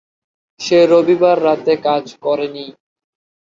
সে রবিবার রাতে কাজ করে নি।